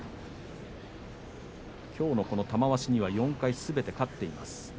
きょうの玉鷲には４回すべて勝っています。